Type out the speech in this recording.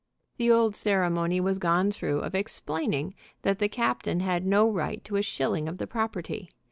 The old ceremony was gone through of explaining that the captain had no right to a shilling of the property.